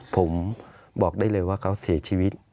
ผมบอกได้เลยว่าเขาเสียชีวิต